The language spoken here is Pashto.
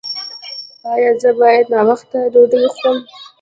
ایا زه باید ناوخته ډوډۍ وخورم؟